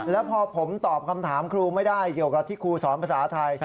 แล้วพอผมตอบคำถามครูไม่ได้เกี่ยวกับที่ครูสอนภาษาไทย